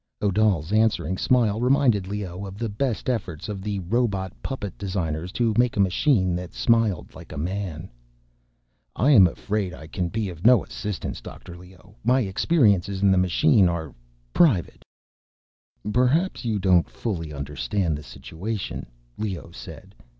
Odal's answering smile reminded Leoh of the best efforts of the robot puppet designers to make a machine that smiled like a man. "I am afraid I can be of no assistance, Dr. Leoh. My experiences in the machine are ... private." "Perhaps you don't fully understand the situation," Leoh said.